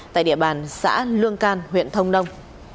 tại địa bàn xã lương can huyện thông đông